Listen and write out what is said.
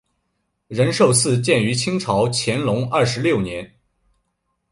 仁寿寺建于清朝乾隆二十六年。